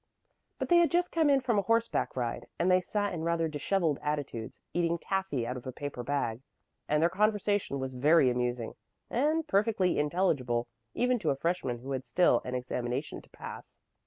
But they had just come in from a horseback ride, and they sat in rather disheveled attitudes, eating taffy out of a paper bag, and their conversation was very amusing and perfectly intelligible, even to a freshman who had still an examination to pass.